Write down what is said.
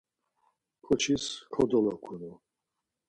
Ǩoçis kodolokunu.